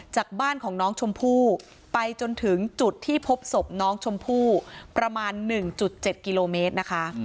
จากบ้านของน้องชมพู่ไปจนถึงจุดที่พบศพน้องชมพู่ประมาณ๑๗กิโลเมตรนะคะ